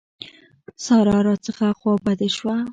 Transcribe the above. سارا راڅخه خوابدې شوه.